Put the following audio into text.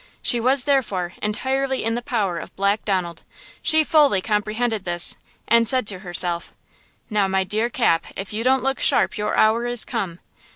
She was, therefore, entirely in the power of Black Donald. She fully comprehended this, and said to herself: "Now, my dear Cap, if you don't look sharp your hour is come!